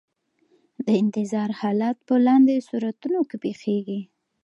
د انتظار حالت په لاندې صورتونو کې پیښیږي.